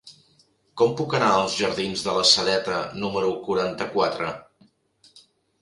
Com puc anar als jardins de la Sedeta número quaranta-quatre?